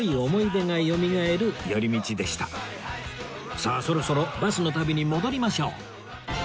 さあそろそろバスの旅に戻りましょう